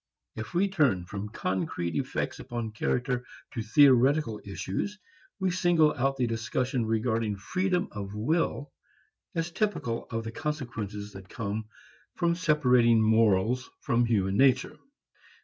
If we turn from concrete effects upon character to theoretical issues, we single out the discussion regarding freedom of will as typical of the consequences that come from separating morals from human nature.